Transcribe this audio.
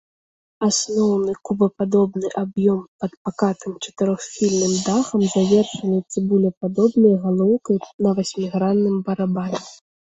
Асноўны кубападобны аб'ём пад пакатым чатырохсхільным дахам завершаны цыбулепадобнай галоўкай на васьмігранным барабане.